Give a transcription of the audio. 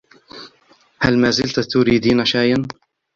هل مازلتِ تريدين شاياً؟